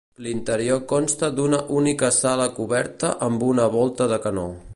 L'interior consta d'una única sala coberta amb una volta de canó.